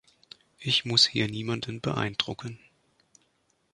Ich muss hier niemanden beeindrucken.